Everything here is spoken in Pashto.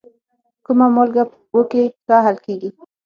کومه مالګه په اوبو کې ښه حل کیږي؟